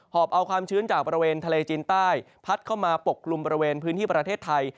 อบเอาความชื้นจากบริเวณทะเลจีนใต้พัดเข้ามาปกกลุ่มบริเวณพื้นที่ประเทศไทย